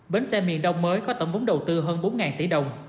bến xe miền đông mới có tổng vốn đầu tư hơn bốn tỷ đồng